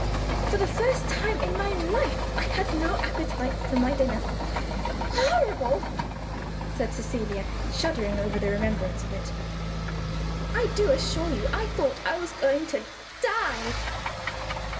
For the first time in my life, I had no appetite for my dinner. Horrible!" said Cecilia, shuddering over the remembrance of it. "I do assure you, I thought I was going to die."